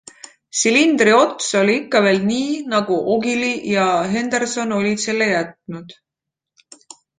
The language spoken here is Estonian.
Silindri ots oli ikka veel nii, nagu Ogilvy ja Henderson olid selle jätnud.